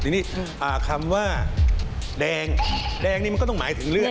ทีนี้คำว่าแดงแดงนี่มันก็ต้องหมายถึงเลือด